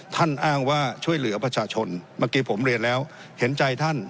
อ้างว่าช่วยเหลือประชาชนเมื่อกี้ผมเรียนแล้วเห็นใจท่าน